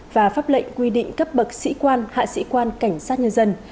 và pháp lệnh quy định cấp bậc sĩ quan hạ sĩ quan cảnh sát nhân dân